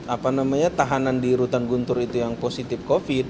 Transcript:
apa namanya tahanan di rutan guntur itu yang positif covid